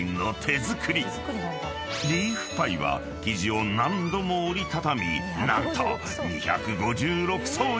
［リーフパイは生地を何度も折り畳み何と２５６層に！］